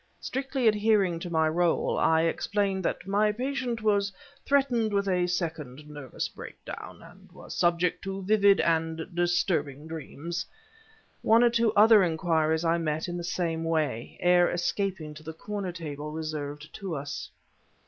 Strictly adhering to my role, I explained that my patient was threatened with a second nervous breakdown, and was subject to vivid and disturbing dreams. One or two other inquiries I met in the same way, ere escaping to the corner table reserved to us.